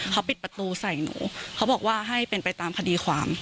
เขาปิดประตูใส่หนูเขาบอกว่าให้เป็นไปตามคดีความ